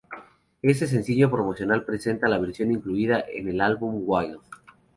Este sencillo promocional presenta la versión incluida en el álbum Wild!.